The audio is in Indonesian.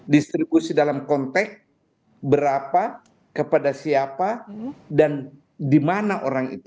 distribusi dalam konteks berapa kepada siapa dan di mana orang itu